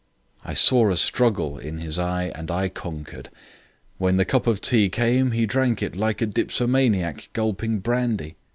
I saw a struggle in his eye and I conquered. When the cup of tea came he drank it like a dipsomaniac gulping brandy.